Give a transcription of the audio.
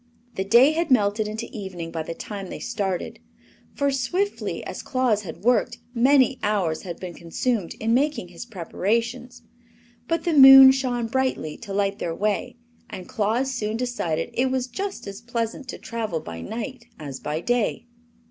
The day had melted into evening by the time they started; for, swiftly as Claus had worked, many hours had been consumed in making his preparations. But the moon shone brightly to light their way, and Claus soon decided it was just as pleasant to travel by night as by day.